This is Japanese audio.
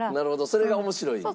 それが面白い逆に。